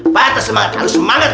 patah semangat harus semangat